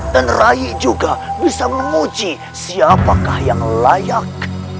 dan raih juga bisa menguji siapakah yang layak